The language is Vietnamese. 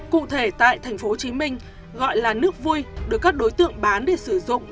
cụ thể tại tp hcm gọi là nước vui được các đối tượng bán để sử dụng